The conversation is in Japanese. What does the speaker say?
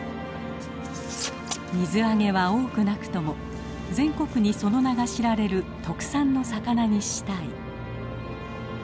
水揚げは多くなくとも全国にその名が知られる特産の魚にしたい。